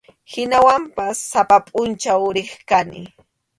Hinawanpas sapa pʼunchaw riq kani.